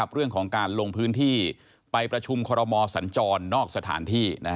เรื่องของการลงพื้นที่ไปประชุมคอรมอสัญจรนอกสถานที่